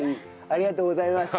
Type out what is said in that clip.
ありがとうございます。